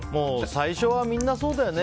最初はみんなそうだよね。